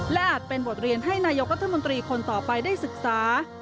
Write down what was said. และอาจเป็นบทเรียนให้นายกรัฐมนตรีคนต่อไปได้ศึกษา